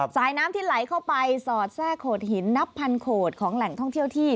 สายน้ำที่ไหลเข้าไปสอดแทรกโขดหินนับพันโขดของแหล่งท่องเที่ยวที่